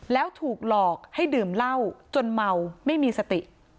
แล้วถูกหลอกให้ดื่มเหล้าจนเมาไม่มีสติ